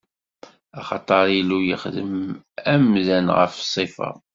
Axaṭer Illu yexdem amdan ɣef ṣṣifa-s.